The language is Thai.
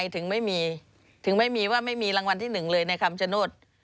ถึงไม่มีถึงไม่มีว่าไม่มีรางวัลที่๑เลยในคำชโนธ